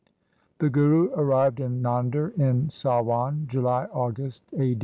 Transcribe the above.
The Guru arrived in Nander in Sawan (July August), A.